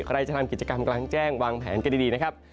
ใครจะทำกิจกรรมกลางแจ้งวางแผนกันดีนะครับ